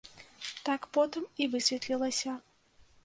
Так потым і высветлілася.